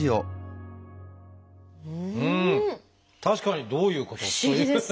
確かにどういうこと？という。